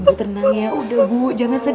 ibu tenang ya udah bu jangan sedih